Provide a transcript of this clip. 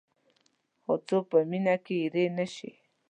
څو څوک په مینه کې اېرې نه شي.